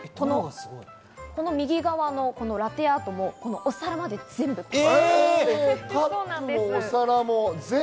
右側のラテアートもお皿まで全部パンです。